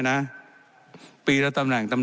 และยังเป็นประธานกรรมการอีก